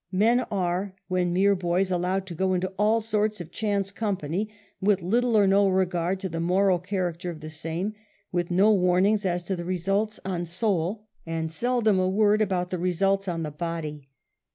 Men are, when mere boys, allowed to go into all sorts of chance company with little or no regard as to the moral character of the same, with no warnings as to results on soul, and seldom a w^ord about the results on the body.